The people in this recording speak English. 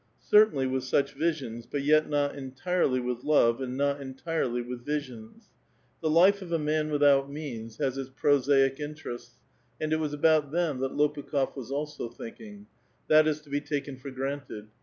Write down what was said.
Cer tainly with such visions, but yet not entirely with love and not entirely with viBions. The life of a man without means 126 A VITAL QUESTION'. has its prosaic interests, and it was about them that Lopu iih6f was also thinking : that is to be taken for granted.